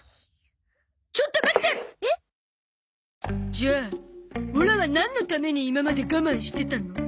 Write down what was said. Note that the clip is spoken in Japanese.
じゃあオラはなんのために今まで我慢してたの？